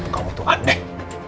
kamu tuh aneh